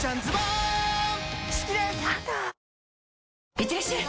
いってらっしゃい！